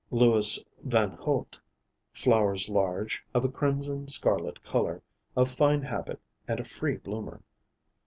Louis Van Houtte, flowers large, of a crimson scarlet color; of fine habit, and a free bloomer.